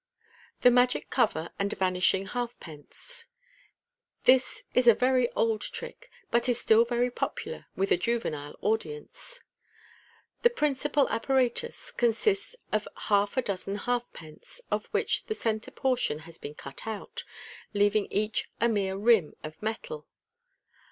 The Magic Cover and Vanishing Halfpence. — This is a old trick, but is still very popular with a juvenile audience, I«4 MUUJLK1V MJiUlL. The principal apparatus consists of half a dozen halfpence, of which the centre portion has been cut out, leaving each a mere rim of metal.